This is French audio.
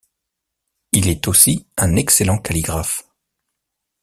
Il est aussi un excellent calligraphe.